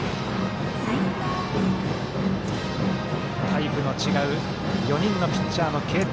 タイプの違う４人のピッチャーの継投。